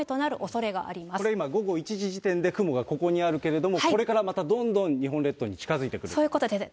これ今、午後１時時点で雲がここにあるけれども、これからまたどんどん日そういうことです。